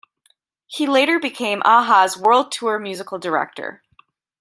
He later became a-ha's world tour musical director.